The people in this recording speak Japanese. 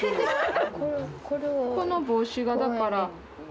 この帽子がだから。